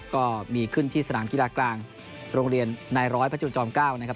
ก็มีขึ้นที่สนามกีฬากลางโรงเรียนนายร้อยพระจุจอม๙นะครับ